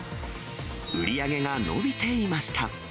売り上げが伸びていました。